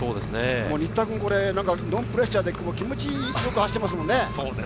新田君、これノンプレッシャーで気持ちよく走ってますもんね。